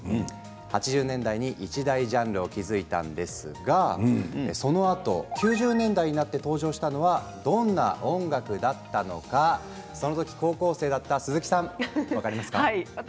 ８０年代に一大ジャンルを築いたんですがそのあと９０年代になって登場したのがどんな音楽だったのかその時、高校生だった鈴木さん、分かりますか？